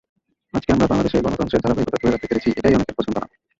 আজকে আমরা বাংলাদেশে গণতন্ত্রের ধারাবাহিকতা ধরে রাখতে পেরেছি, এটাই অনেকের পছন্দ না।